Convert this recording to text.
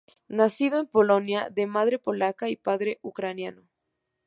Nacido en Polonia de madre polaca y padre ucraniano.